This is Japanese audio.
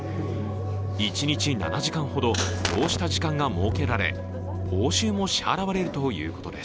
一日７時間ほどこうした時間が設けられ報酬も支払われるということです。